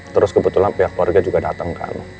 terus kebetulan pihak keluarga juga datang kan